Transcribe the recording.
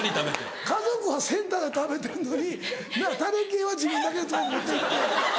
家族はセンターで食べてんのにタレ系は自分だけ四つ角持って行って。